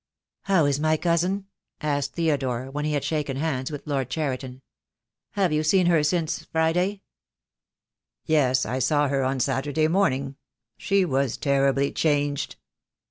"How is my cousin?" asked Theodore, when he had shaken hands with Lord Cheriton. "Have you seen her since — Friday?" "Yes, I saw her on Saturday morning. She was terribly changed."